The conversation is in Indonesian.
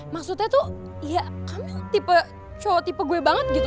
maksudnya tuh ya kamu tipe cowok tipe gue banget gitu